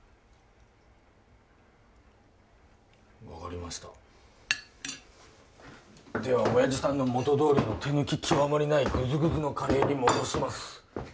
分かりましたではオヤジさんの元通りの手抜き極まりないグズグズのカレエに戻します